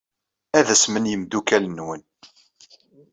Ad asmen yimeddukal-nwen.